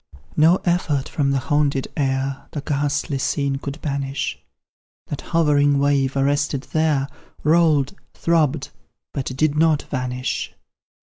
No effort from the haunted air The ghastly scene could banish, That hovering wave, arrested there, Rolled throbbed but did not vanish.